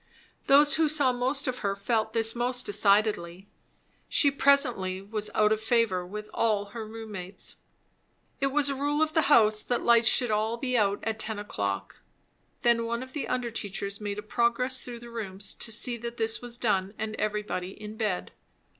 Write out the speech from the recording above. Those who saw most of her felt this most decidedly. She presently was out of favour with all her roommates. It was a rule of the house that lights should be all out at ten o'clock. Then one of the under teachers made a progress through the rooms to see that this was done and everybody in bed.